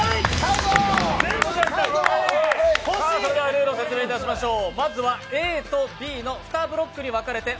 ルールを説明いたしましょう。